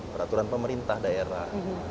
peraturan pemerintah daerah